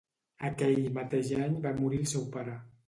Aquell mateix any va morir el seu pare.